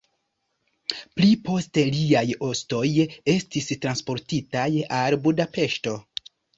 Pli poste liaj ostoj estis transportitaj al Budapeŝto.